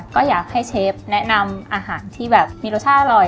ก็อยากให้เชฟแนะนำอาหารที่แบบมีรสชาติอร่อย